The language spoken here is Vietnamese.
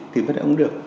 thì vẫn ổn được